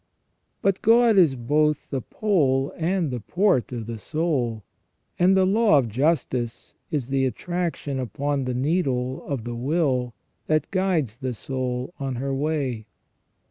But God is both the pole and the port of the soul, and the law of justice is the attraction upon the needle of the will that guides the soul on her way.